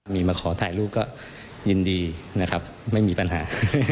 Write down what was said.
มีมาขอถ่ายรูปก็ยินดีนะครับไม่มีปัญหา